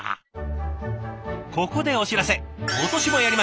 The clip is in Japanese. ここでお知らせ。